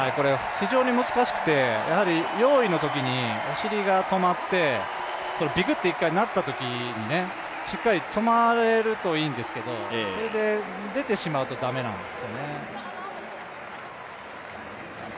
非常に難しくて、用意のときにお尻が止まって、ビクッと一回なったときに、しっかり止まれるといいんですけど、それで出てしまうと駄目なんですよね。